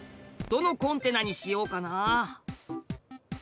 どのコンテナにしようかな。